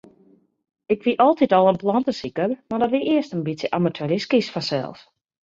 Ik wie altyd al in plantesiker, mar dat wie earst in bytsje amateuristysk fansels.